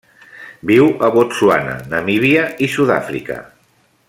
Viu a Botswana, Namíbia i Sud-àfrica.